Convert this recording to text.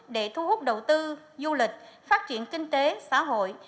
để thu hút đầu tư du lịch phát triển kinh tế xã hội